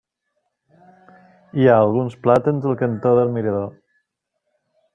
Hi ha alguns plàtans al cantó del mirador.